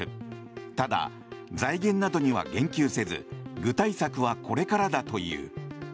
ただ、財源などには言及せず具体策はこれからだという。